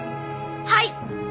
はい！